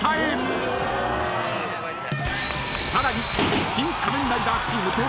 ［さらに］